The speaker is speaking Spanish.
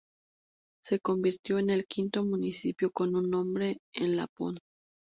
Se convirtió en el quinto municipio con un nombre en lapón.